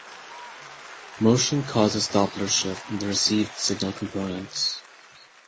Motion causes Doppler shift in the received signal components.